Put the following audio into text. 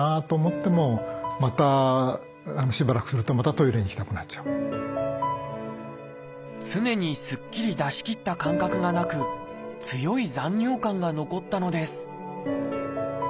トイレに行っても常にすっきり出しきった感覚がなく強い残尿感が残ったのです。